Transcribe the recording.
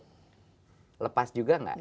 punya pengalaman di laut lepas juga nggak